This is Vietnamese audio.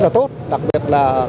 rất là tốt đặc biệt là